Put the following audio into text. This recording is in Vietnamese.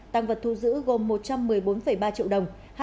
tăng vật thu giữ gồm một trăm một mươi bốn ba triệu đồng